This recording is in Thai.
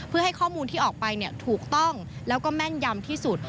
เพื่อให้ข้อมูลที่ออกไปถูกต้องแล้วก็แม่นยำที่สุด